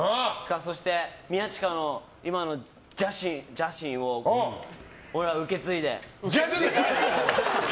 そして、宮近の今の邪心を俺は受け継いで。